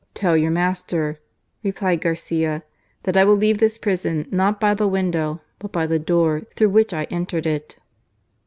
"Tell your master," replied Garcia, "that I will leave this prison not by the window, but by the door through which I entered it."